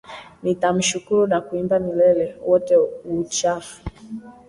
Nitashukuru na kuimba milele, wote wuchafu.